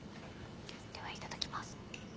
ではいただきます。